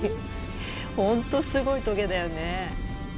本当すごいトゲだよね。